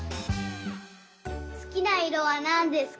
すきないろはなんですか？